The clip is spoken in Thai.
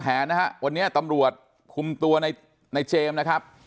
นะฮะวันนี้ตำรวจคุมตัวในเจมส์นะครับ